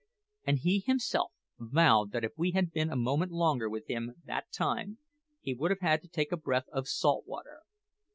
And he himself vowed that if we had been a moment longer with him that time, he would have had to take a breath of salt water.